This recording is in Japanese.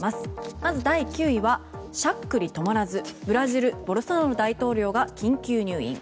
まず第９位はしゃくり止まらずブラジルボルソナロ大統領が緊急入院。